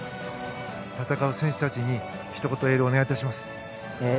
戦う選手たちにひと言エールをお願いします。